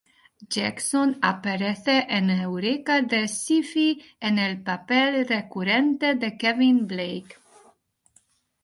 Jackson aparece en "Eureka" de Syfy en el papel recurrente de Kevin Blake.